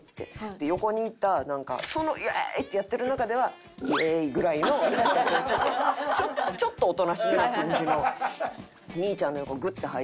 で横にいたなんか「イエーイ！」ってやってる中では「イエー」ぐらいのちょっとちょっとおとなしめな感じの兄ちゃんの横グッて入って。